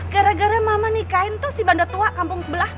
gara gara mama niken tuh si banda tua kampung sebelah